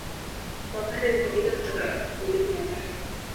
Wapare ni kabila kutoka milima ya Pare